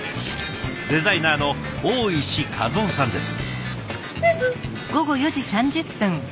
デザイナーの大石一雄さんです。